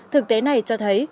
thực tế này cho thấy